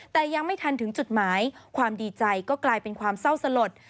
แต่ยังไม่ทันถึงจุดหมายความดีใจก็กลายเป็นความเศร้าสลด